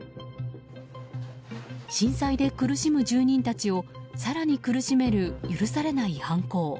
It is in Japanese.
震災で苦しむ住人たちを更に苦しめる許されない犯行。